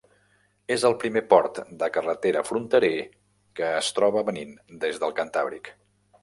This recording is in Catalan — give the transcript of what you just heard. És el primer port de carretera fronterer que es troba venint des del Cantàbric.